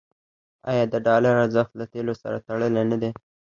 آیا د ډالر ارزښت له تیلو سره تړلی نه دی؟